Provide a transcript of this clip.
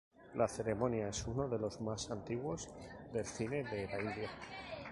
La ceremonia es uno de los más antiguos del cine de la India.